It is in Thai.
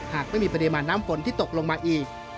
หากไม่มีปริมาณน้ำฝนที่ตกลงมาอีก